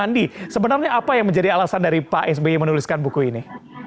andi sebenarnya apa yang menjadi alasan dari pak sby menuliskan buku ini